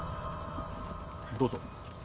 どうぞ。